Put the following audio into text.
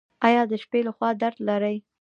ایا د شپې لخوا درد لرئ؟